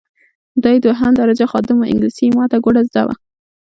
دی دوهمه درجه خادم وو انګلیسي یې ماته ګوډه زده وه.